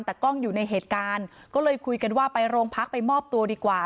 แต่กล้องอยู่ในเหตุการณ์ก็เลยคุยกันว่าไปโรงพักไปมอบตัวดีกว่า